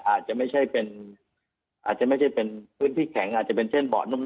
อาจจะไม่ใช่เป็นอาจจะไม่ใช่เป็นพื้นที่แข็งอาจจะเป็นเช่นเบาะนุ่ม